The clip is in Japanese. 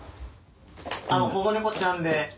保護猫ちゃんで。